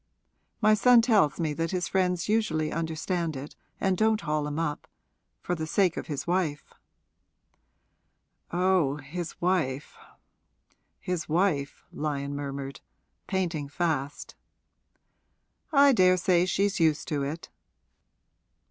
My son tells me that his friends usually understand it and don't haul him up for the sake of his wife.' 'Oh, his wife his wife!' Lyon murmured, painting fast. 'I daresay she's used to it.'